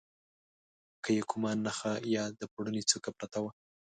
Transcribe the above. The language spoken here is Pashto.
که یې کومه نخښه یا د پوړني څوکه پرته وه.